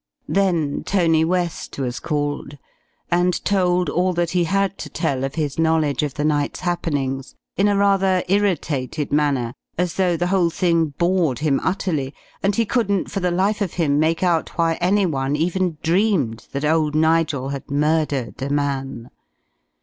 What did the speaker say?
Then Tony West was called, and told all that he had to tell of his knowledge of the night's happenings in a rather irritated manner, as though the whole thing bored him utterly, and he couldn't for the life of him make out why any one even dreamed that old Nigel had murdered a man.